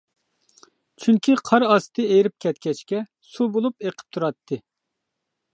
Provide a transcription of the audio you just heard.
چۈنكى قار ئاستى ئېرىپ كەتكەچكە سۇ بولۇپ ئېقىپ تۇراتتى.